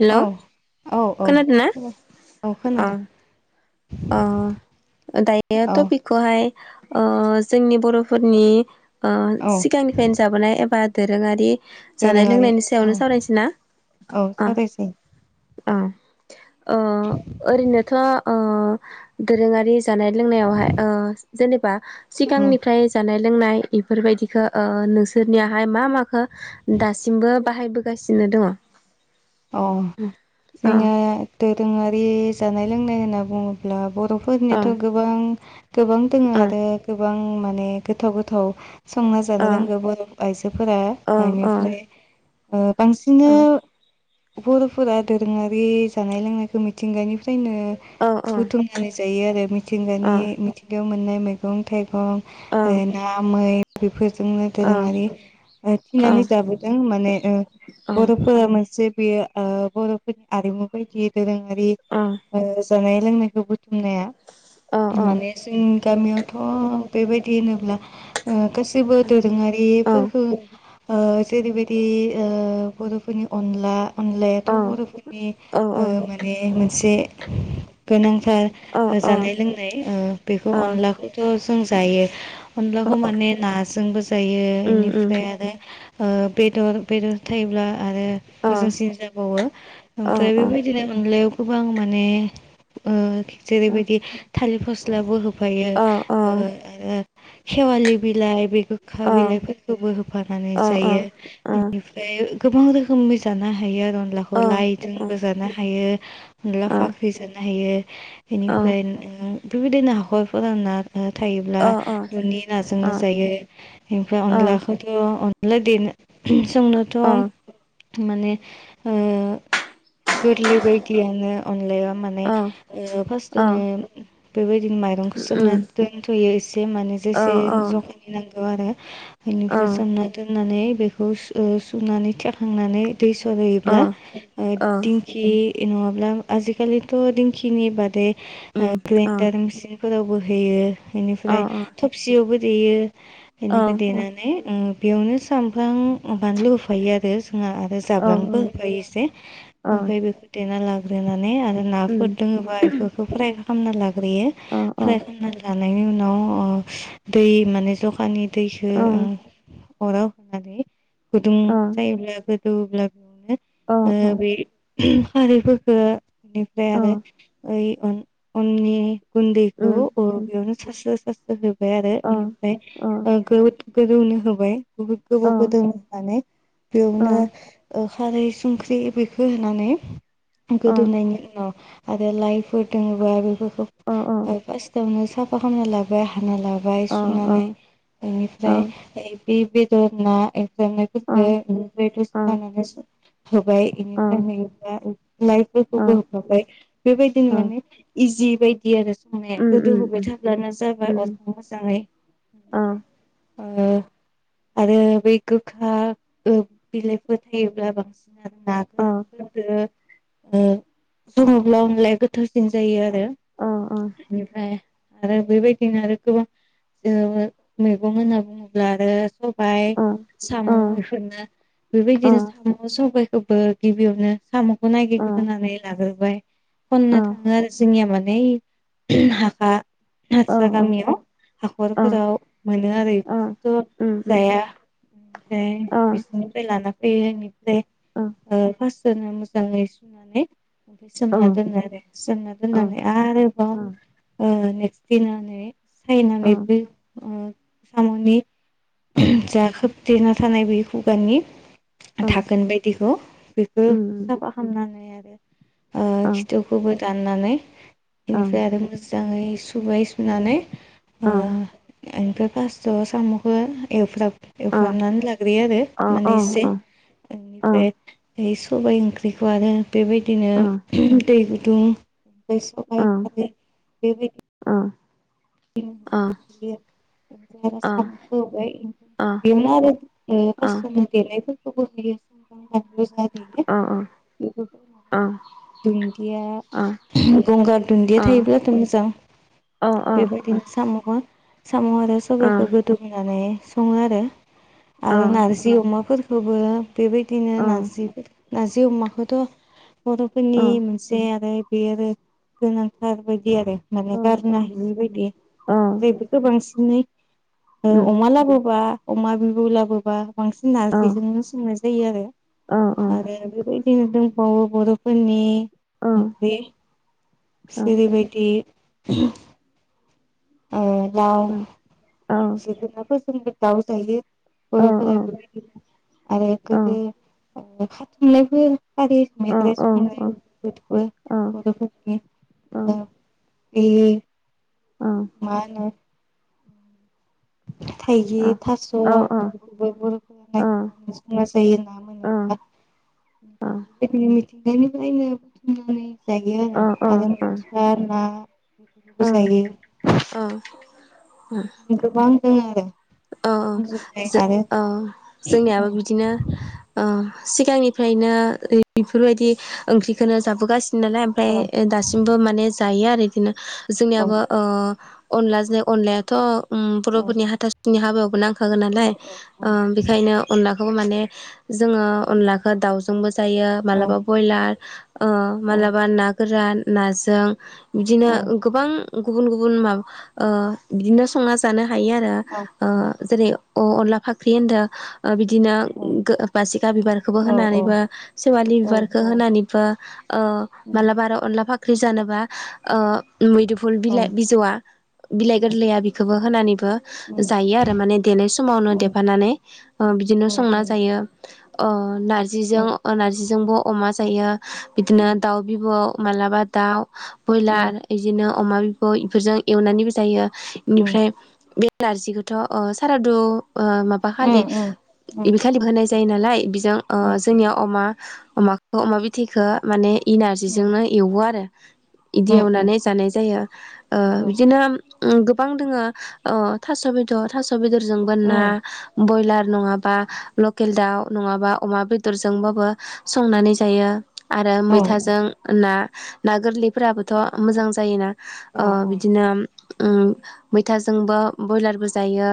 Hello अ औ- औ खोनादोंना -औ अ खोनादों। अ दायो औ तपिकखौहाय ओ जोंनि बर'फोरनि ओ औ सिगांनिफ्रायनो जाबोनाय एबा दोरोंआरि जानाय दोरोङारि लोंनायनि औ सायावनो सावरायनोसै ना? औ उ सावरायसै औ ओ ओरैनोथ ओ दोरोङारि जानाय लोंनायावहाय ओ जेनेबा औ सिगांनिफ्राय जानाय लोंनाय इफोरबायदिखौ ओ नोंसोरनियाहाय मा माखो दासिमबो बाहायबो गासिनो दङ। अ अ जोंहा दोरोङारि जानाय लोंनाय होनना बुङोब्ला बर फोरनिथ अ गोबां गोबां दङ आरो अ गोबां माने गोथाव गोथाव संना जानो रोंगौ बर' आइजोफोरा अ अ बेनिफ्राय ओ बांसिननो अ बर'फोरा दोरोङारि जानाय लोंनायखौ मिथिंगानिफ्रा फ्रायनो ओं बुथुमनानै जायो आरो मिथिंगानि मिथिंगायाव मोननाय मैगं थाइगं ओ ना मै बेफोर जोंनो दोरोङारि ओ थिनानै जाबोदों माने ओ बर'फोरा मोनसे बेयो ओ बर'फोरनि आरिमु बायदियै दोरों आरि ओ जानाय लोंनायखौ बु थुमनाया माने जों गामियावथ' बेबायदि होनोब्ला ओ गासैबो दोरोङारिफोरखौ ओ जेरैबायदि ओ बर'फोरनि अनला अनलायाथ' बर'फोरनि ओ माने मोनसे गोनां थार जानाय लोंनाय ओ बेखौ अनलाखौथ' जों जायो। अनलाखौ माने नाजोंबो जायो इनिफ्राय आरो ओ बेदर बेदर थायोब्ला आरो मोजां जाबावो ओमफ्राय बेबायदिनो अनलायाव गोबां माने ओ जेरैबायदि थालिर फस्लाबो हो फायो ओ आरो खेवालि बिलाय बे गोखा बिलाइफोरखौबो होफानानै जायो। बेनिफ्राय गोबां रोखोमै जानो हायो अनलाखौ लाइदोंबो जानो हायो अनला फाख्रि जानो हायो। बेनिफ्राय बेबायदिनो हाखरफोराव ना थायोब्ला न'नि नाजोंनो जायो ओमफ्राय अनलाखौथ' [unintelligible] जोंनोथ' माने ओ गोरलै बायदियावनो अन माने ओ फार्स्टनो बेबायदिनो माइरंखौ सोमना दोनथ'यो एसे माने जेसे जखानि नांगौ आरो। बेनिफ्राय सोमना दोन नानै बेखौ ओ सु- सुनानै थेखांनानै दै सरहोयोब्ला ओ दिंखि नङाब्ला आजिखालिथ' दिंखिनि बादै ओ ग्राइडार मिसिन फोरावबो होयो। बेनिफ्राय थबसेयावबो देयो। बेनिफ्राय देनानै ओम बेयावनो सामब्राम बानलु होफायो आरो जोंहा आरो जाब्लांबो होयो एसे ओमफ्राय बेखौ देना ला ग्रोना नै आरो नाफोर दोङोबा इफोरखौ प्राय खामना ला ग्रोयो। फ्राय खालामना ला लानायनि उनाव ओ दै माने जखाननि दैखो ओ अराव होनानै गुदुं जायोब्लाबो गोदौग्लाब ओ बे खारैफोरखौ बिनिफ्राय आरो बै उन उननि गुन्दैखौ अ बेयावनो सास्र' सा होजोब बाय आरो इनिफ्राय ओ गोदौनो होबाय। बुहोद गोबाव गोदो होनानै बेयावनो ओ खारै संख्रि बेखौ होनानै गोदोनायनि उनाव आरो लाइफोर दङोबा बेफोर खौ फासदावनो साफ खामना लाबाय हाना लाबाय बाय सुनानै बेनिफ्राय बे फ्राय ना एव [unintelligible] लानानै होबाय बेनिफ्राय नुयोब्ला लाइफोरखौबो होखाबाय बेबायदिनो माने इजि बायदिया संनाया गोदौहोबाय थाब्लानो जाबाय अरखौ मोजांङै ओ आरो बै गोखा ओ बिलाइफोर थायोब्ला बांसिन आरो ना गोरान फोरदो ओं संङोब्ला अनलाया गोथावसिन जायो बिनिफ्राय आरो बेबायदिनो आरो गोबां जोंङो मैगं होनना बुंङोब्ला आरो सबाय साम' बेफोरनो बेबायदिनो साम' सबाय थेवबो गिबियावनो साम' नागिरग्रोनानै लाग्रोबाय खननो थांङो आरो जोंनिया मान [unintelligible] हारसा गामियाव हाखरफोराव मोनो आरो बिसोरथ' जाया ओमफ्राय बिसिनि [unintelligible] दे ओ फारस [unintelligible] सोमना दोनो आरो सोमना दोननानै आरोबाव‌ ओ फिथिनानै सायनालायबो सामनि जाखोब देरना थानाय बे खुगानि थागोन बायदिखौ बेखौ साफा खालामामनानै आरो [unintelligible] ओ खिथुखौबो दाननानै बेनिफ्राय आरो मोजाङै सुबाय सुनानै ओ ओमफ्राय फासथआव साम'खौ एवफ्राम एवफ्रामनानै लाग्रोयो आरो। निसे बेनिफ्राय सबाइ ओंख्रिखौ आरो बेबायदिनो दै ग दुं [unintelligible] [unintelligible] [inaudible] [inaudible] दुन्दिया गंगार दुन्दिया थायोब्लाथ' मोजां। बेबायदिनो साम' साम' आरो सबाइखौ गोदौहोनानै सङो आरो। आरो नारजि अमाफोर खौबो बेबायदिनो नारजि नारजि अमाखौ थ बर'फोरनि मोनसे आरो बे आरो गोनांथार बायदि आरो। माने गारनो हायै बाय बेफोरखौ बांसिनै अमा लाबोबा बा अमा बिबु लाबोबा बांसिन नारजिजोंनो संनाय जायो आरो। आरो बेबायदिनो दंबावो बर' फोरनि ओंख्रि। सिरिबायदि [inaudible] [inaudible] लाव जोगोनारफोरजोंबो [inaudible] [inaudible] आरो गोदो ओ खाथुमनायफोर हारि मेख्राइ संनायबो बर'फोरनि ओ ए मा होनो थाइगिर, थास' बेफोरखौबो बर'फोरा नागिरनानै संना जायो ना मोनोब्लाबा [inaudible] [inaudible] निफ्रायनो बुथुमनानै जायो आरो आरो मैथा ना बेफोरखौबो जायो। औ बेबायदिनो गोबां [inaudible] औ औ बुंजोबनाय जे आरो औ औ जोंनियाबो बिदिनो औ सिगांनिफ्रायनो बेफोरबायदि ओंख्रिखौनो जाबोगासि नालाय ओमफ्राय औ दासिमबो माने दायो आरोदिनो जोंनियाबो ओ अनलाजोंनो अनलायाथ' उम बर'फोरनि हाथास नि हाबायावबो नां होगोन औ नालाय औ ओ बेखायनो अनला [unintelligible] माने जोङो अनलाखौ दावजोंबो जायो औ मालाबा ब्रयलार मालाबा ना गोरान नाजों बिदिनो गोबां गुबुन गुबुन माब ओ बिदिनो संना जानो हयो आरो ओ जेरै अ अनला फाख्रि होनदो ओ बिदिनो गो बासिखा बिबारखौबो होनानैबो सेवालि बिबारखो होनानैबो ओ मालाबा आरो अनला फाख फै जानोबा ओ मैदुफुल बिलाइ बिजौआ बिलाइ गोरलैया बिखौबो होनानैबो जायो आरो माने देनाय समावनो देफानानै ओ बिदिनो संना जायो अ नारजिजों नारजिजोंबो अमा जायो बिदिनो दाउ बिबौ मालाबा दाउ ब्रयलार इदिनो अमा बिब' इफोरजों एवनानैबो जायो इनिफ्राय बे नारजिखौथ' अ साराद' ओ माबा खालि इनिखालिबो होनाय जायो नालाय बि जों ओ जोंनिया अमा अमाखौ अमा बिथैखो माने इनारजिजोंनो एवो आरो। [unintelligible] इदि एवनानै जानाय जायो। ओ बिदिनोम उम गोबां दोङो ओ थास' बिथ थास-' बिदरजों ना बयलार नङाबा लकेल दाउ नङाबा अमा बेदरजोंबाबो संनानै जायो। आरो मैथाजों ना ना गोरलैफोराबोथ' मोजां जायोना? ओ बिदिनो उम मैथाजोंबो ब्रयलारबो जायो।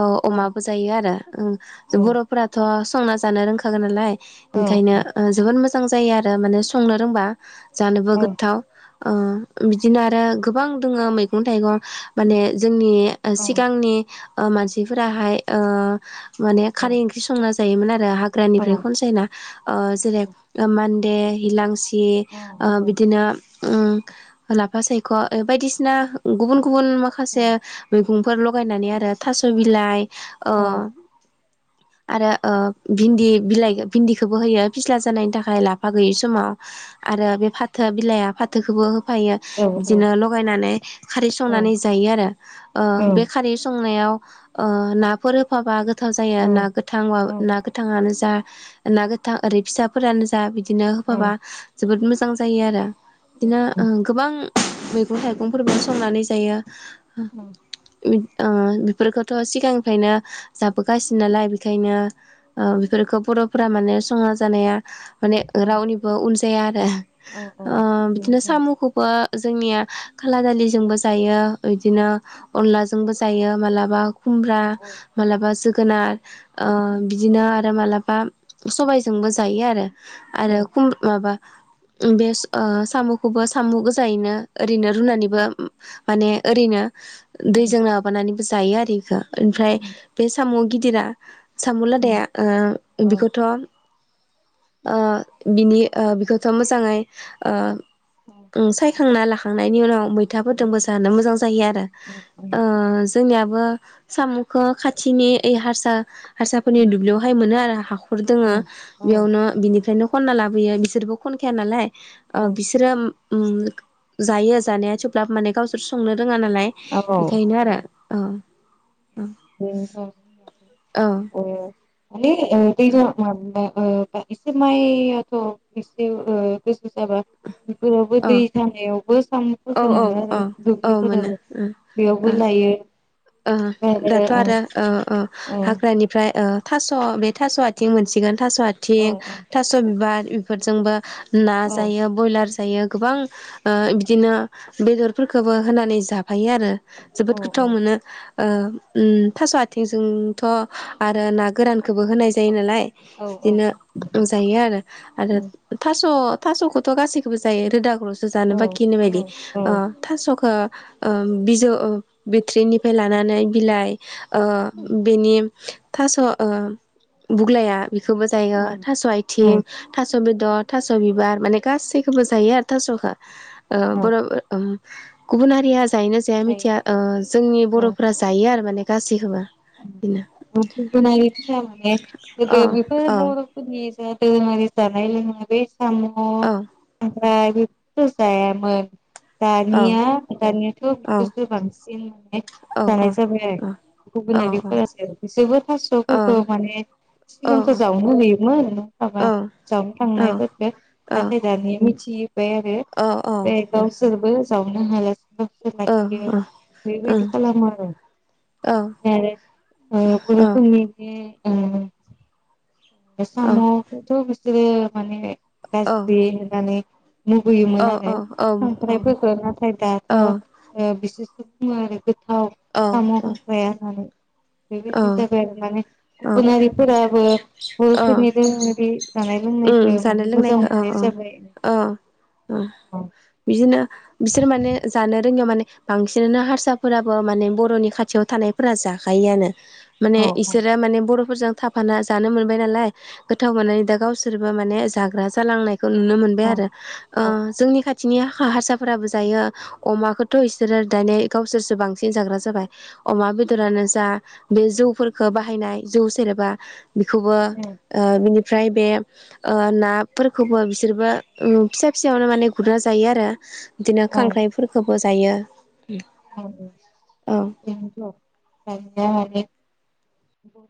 ओ अमाबो जायो ओ जो बर'फोराथ' संना जानो रोंखागोन नालाय। ओंखायनो ओ जोबोद मोज मोजां जायो आरो माने संनो रोंबा जानोबो गोथाव ओ बिदिनो आरो गोबां दङो मैगं थाइगं माने जोंनि सिगांनि ओ मानसिफोराहाय ओ माने खारै ओंख्रि संना ज जायोमोन आर ओ हाग्रानिफ्राय खनसायना ओ जेरै ओ मान्दे हिलांस यि ओ बिदिनो उम लाफा सायख' ओ बायदिसिना गुबुन गु बुन माखासे [unintelligible] फोर लगायनानै आरो थास' बिलाइ ओ आरो ओ भिन्दि बिलाइ भिन्दिखोबो होयो फिस्ला जानायनि थाखाय लाफा गैयि समाव आरो बे फाथोआ बिलाइआ फाथोखोबो हो फायो इदिनो लगायनानै खारै संनानै जायो आरो ओ बे खारै सं संनायाव ओ नाफोर होफाबा गो थाव जायो ना गोथां उवा ना गोथाङानो जा ना गोथां ओरै फिसाफोरानो जा बिद दिनो होफाबा जोबोद मोजां जायो आरो बिदिनो ओ गोबां मैगं- थाइगंफोरबो संनानै जायो [inaudible] बिद ओ बिफोरखोथ' सिगांनिफ्रायनो जाबोगासिनो नालाय बिखायनो ओ बिफिरखो बर'फोरा माने संना जानाया माने रावनिबो उनजाया आरो ओ बिदिनो साम'खौबो जोंनिया खाला दालिजोंबो जायो ओइदिनो अनलाजोंबो जायो मालाबा खुमब्रा मालाबा जोग गोनार ओ बिदिनो आरो मालाब बा सबायजोंबो जायो आरो आरो खुम माबा उम बेस ओ साम'खौबो साम' गोजायैनो ओरैनो रुनानैबो उम माने ओरैनो माने दैजों माबानानै जायो आरो ओमफ्राय बे सामु गिद दिरा साम' लादाया ओ बेखौथ' ओ बिनि ओ बेखौथ' मोजाङै ओ ओ उम साय यखांना लाखांनायनि उनाव मैथाफोरजोंबो जानो मोजां जायो आरो। बेखौ ओ जोंनियाबो साम'खौ खाथिनि ओइ हारसा हारसाफोरनि दुब्लियावहाय मोनो आरो हाखर दोङो बेयावनो बिनिफ्रायनो खनना लाबोयो बिसोरबो खनखाया नालाय। ओ बिसोरो उम जायो जानाया थेब्लाबो माने गावसोर संनो रोङा नालाय। बेखायनो आरो औ। बेनोथन औ ओ माने ओ [unintelligible] ओ एसे माइआथ' एसे गोसो जाबा बेफोरावबो औ दै सानायावबो औ सामुफोरखौ औ मोनो औ आरो औ मोनो दुब्लिफोरावबो ओ बेयावबो ओ लायो ओ ओमफ्राय दाथ' आरो ओ ओ हाग्रानिफ्राय ओ थास' बे थास' आथिं मोनसिगोन। थास' औ आथिं थास' बिबार बेफोरजोंबो ना औ जायो ब्रयलार जायो। जायो गोबां ओ बिदिनो बेदरफोरखौबो होनानै जाफायो आरो। औ जोबोद गोथाव औ मोनो। ओ उम थास' आथिंजोंथ' आरो ना गोरानखौबो होनाय जायो नालाय। औ औ बिदिनो जायो आरो। आरो थास' थास'खौथ' गासैखौबो जायो। रोदा ल'सो जानो औ बाखि होननाय बायदि औ ओ थास'खो ओ बिजौ ओ बिथट्रिनिफ्राय लानानै बिलाइ ओ‌ बेनि थास' ओ बुग्लाया बिखौबो जायो थास' औ आइथिं थास' थास' बेदर थास' बिबार माने गासैखौबो जायो आ थास'ख। ओ‌ औ बर' गुबुनहारिया जायोना जाया जायो मिथिया ओ जोंनि औ बर'फोरा जायो आरो माने गासिखौबो। [inaudible] गोदो औ बेफोर औ बर'फोरनि जा दोरोङारि जानाय लोंनाय बे साम' औ [unintelligible] बेफोरखौ जायामोन औ दानिया दानियाथ' औ बिसोरसो बांसिन माने औ जानाय जाबाय आरो। औ गुबुना बेफोरासो बिसोरबो औ थास'फोरखौ माने औ सिगांथ' औ औ जावनो होयोमोन न'आव थाबा जावनो थांनायफोरखौ नाथाय दानि मिथि [inaudible] जावनो हाला [inaudible] बेबायदि खालामो आरो। औ ओमफ्राय आरो ओ औ बर'फोरनि जे उम बे औ साम'खौथ' बि सोरो माने औ गाज्रि होननानै औ मुगैयोमोन आरो औ खांख्राइफोरखौ नाथाय दाथ' ओ बिसो [inaudible] थाव औ साम' खांख्राया होननानै। बेबायदिनो जाबाय आरो माने औ गुबुन हारि फोराबो बर'फोरनि [unintelligible] जानाय ओम लोंनायखौ जानाय माने मोजां लोंनायखौ औ मोननाय औ जाबाय औ ओ औ बिदि बिसोर माने जानो रोंयिया माने बांसिनानो हारसाफोराबो माने बर'नि खाथियाव थानायफोरा जाखायोआनो। माने औ इसोरो माने बर' फोरजों थाफाना जानो मोनबाय नालाय गोथाव मोननानै दा गावसो सोरबो माने जाग्रा जालांनाय खौ नुनो मोनबाय औ आरो ओ औ जोंनि खाथ बिथिंनि हाखा हारसाफोराबो जायो अमाखौथ' इसोरो दानि गावसोरसो बांसिन जाग्रा जाबाय अमा बेदरानो जा बे जौफोरखो बाहायनाय जौ सेरेबा बिखौबो ओ बिनि फ्राय बे ओ नाफोरखौबो बिसोरबो उम फिसा-फिसायावनो माने गुरना जायो आरो। दिनो खांख्राइफोरखौ बोजायो। ओ-ओ बेनथ' [unintelligible] [unintelligible]